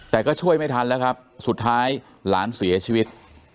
แต่ก็ช่วยไม่ทันแล้วครับสุดท้ายหลานเสียชีวิต